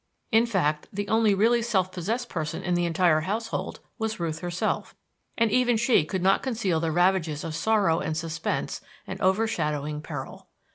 In fact the only really self possessed person in the entire household was Ruth herself, and even she could not conceal the ravages of sorrow and suspense and overshadowing peril.